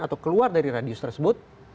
atau keluar dari radius tersebut